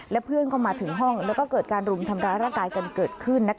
และเพื่อนก็มาถึงห้องแล้วก็เกิดการรุมทำร้ายร่างกายกันเกิดขึ้น